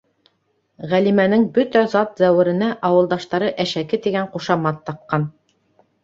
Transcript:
Ғәлимәнең бөтә зат-зәүеренә ауылдаштары «әшәке» тигән ҡушамат таҡҡан.